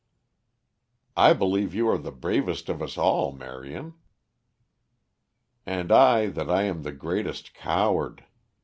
"I believe you are the bravest of us all, Marion." "And I that I am the greatest coward.